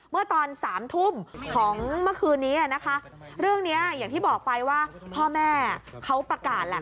เมื่อตอนสามทุ่มของเมื่อคืนนี้นะคะเรื่องนี้อย่างที่บอกไปว่าพ่อแม่เขาประกาศแหละ